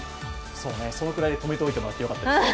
そのくらいで止めておいてもらってよかったです。